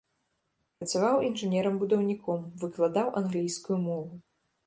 Працаваў інжынерам-будаўніком, выкладаў англійскую мову.